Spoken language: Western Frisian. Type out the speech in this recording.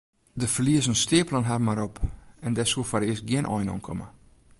De ferliezen steapelen har mar op en dêr soe foarearst gjin ein oan komme.